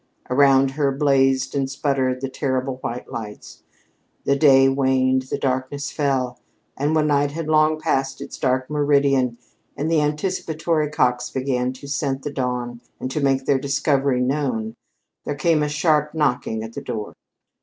Around her blazed and sputtered the terrible white lights. The day waned; the darkness fell; and when night had long passed its dark meridian and the anticipatory cocks began to scent the dawn and to make their discovery known, there came a sharp knocking at the door.